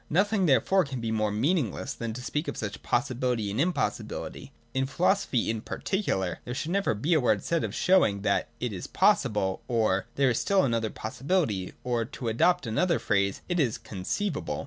Nothing therefore can be more mean ingless than to speak of such possibility and impossi bility. In philosophy, in particular, there should never be a word said of showing that 'It is possible,' or 'There is still another possibility,' or, to adopt another phrase ology, ' It is conceivable.'